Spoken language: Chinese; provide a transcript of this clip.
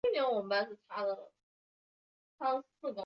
苏小小死后葬于西湖西泠桥畔。